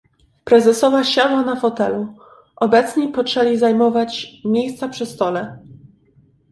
"Prezesowa siadła na fotelu; obecni poczęli zajmować miejsca przy stole."